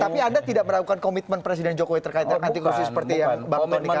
tapi anda tidak meragukan komitmen presiden jokowi terkaitkan anti korupsi seperti yang baru dikatakan